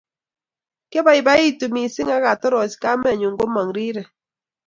Kiaboiboitu mising akatoroch kamenyu komang'u rirek